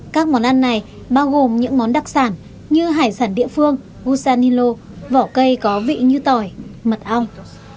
các món ăn này bao gồm những món đặc sản như hải sản địa phương usanilo vỏ cây có vị như tỏi mật ong